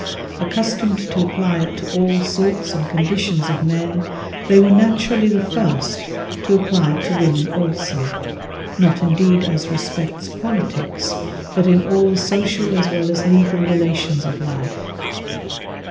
Accustomed to apply it to all sorts and conditions of men, they were naturally the first to apply it to women also; not indeed as respects politics, but in all the social as well as legal relations of life.